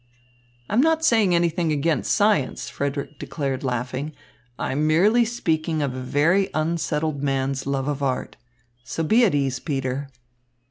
"I'm not saying anything against science," Frederick declared laughing, "I am merely speaking of a very unsettled man's love of art. So be at ease, Peter."